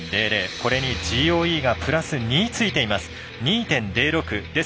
これにＧＯＥがプラス２ついています。